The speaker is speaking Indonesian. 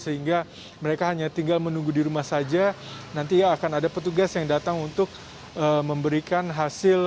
sehingga mereka hanya tinggal menunggu di rumah saja nanti akan ada petugas yang datang untuk memberikan hasil